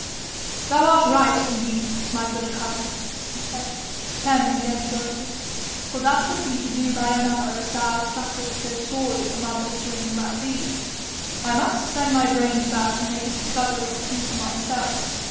'Thou art right, indeed, my good cousin!' he said, turning again to Dorothy; 'for that would be to do by another as thou sufferest so sorely from others doing by thee. I must send my brains about and make a discovery or two for myself.